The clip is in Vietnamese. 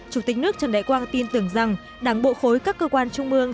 chủ tịch nước trần đại quang tin tưởng rằng đảng bộ khối các cơ quan trung mương